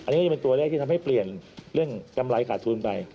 อันนี้ก็จะเป็นตัวแรกที่ทำให้เปลี่ยนเรื่องกำไรขาดทุนไป